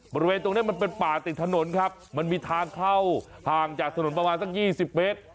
บริเวณตรงนี้มันเป็นป่าติดถนนครับมันมีทางเข้าห่างจากถนนประมาณสัก๒๐เมตร